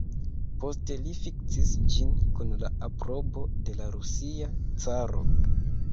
Poste li fiksis ĝin kun la aprobo de la Rusia Caro.